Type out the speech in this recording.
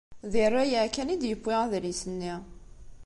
Di rrayeɛ kan i d-yewwi adlis-nni.